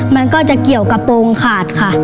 มันก็จะเกี่ยวกระโปรงขาดค่ะ